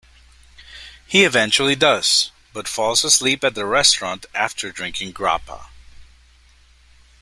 He eventually does, but falls asleep at the restaurant after drinking grappa.